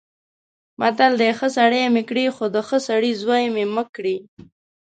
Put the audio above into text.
متل دی: ښه سړی مې کړې خو د ښه سړي زوی مې مه کړې.